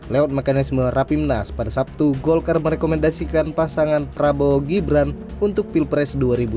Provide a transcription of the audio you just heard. lewat mekanisme rapimnas pada sabtu golkar merekomendasikan pasangan prabowo gibran untuk pilpres dua ribu dua puluh